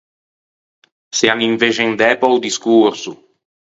S’ean invexendæ pe-o discorso.